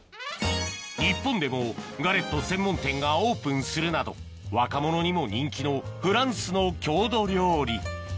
日本でもガレット専門店がオープンするなど若者にも人気のフランスの郷土料理えぇ！